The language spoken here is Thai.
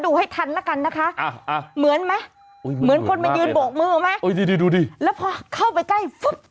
อู้วอะไรหน่ะอะไรมาเมื่อกี้